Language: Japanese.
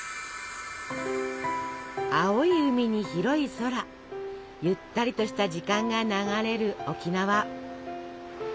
青い海に広い空ゆったりとした時間が流れる沖縄。